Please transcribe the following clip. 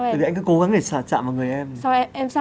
tại vì anh cứ cố gắng để chạm vào người em